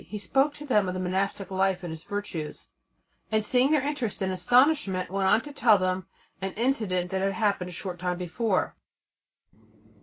He spoke to them of the monastic life and its virtues, and, seeing their interest and astonishment, went on to tell them an incident that had happened a short time before.